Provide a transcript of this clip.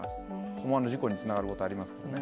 思わぬ事故につながることありますからね。